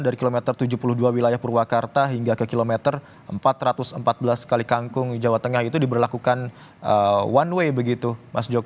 dari kilometer tujuh puluh dua wilayah purwakarta hingga ke kilometer empat ratus empat belas kali kangkung jawa tengah itu diberlakukan one way begitu mas joko